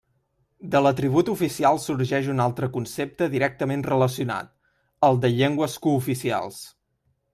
De l'atribut oficial sorgeix un altre concepte directament relacionat, el de llengües cooficials.